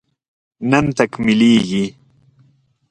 نن تکميلېږي